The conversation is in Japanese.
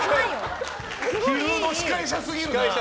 昼の司会者すぎるな。